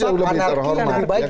itu jauh lebih terhormat